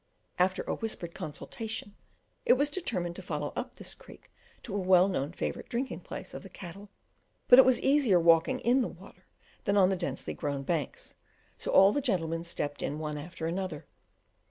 After a whispered consultation, it was determined to follow up this creek to a well known favourite drinking place of the cattle, but it was easier walking in the water than on the densely grown banks, so all the gentlemen stepped in one after another.